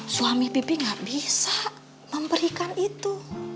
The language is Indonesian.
suami bibi enggak bisa memberikan itu